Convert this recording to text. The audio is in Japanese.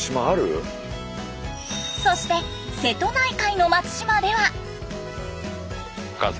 そして瀬戸内海の松島では。